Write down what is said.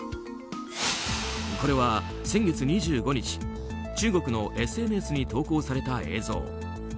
これは先月２５日中国のＳＮＳに投稿された映像。